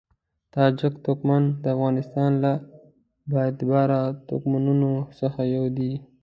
تاجک توکم د افغانستان له با اعتباره توکمونو څخه یو دی.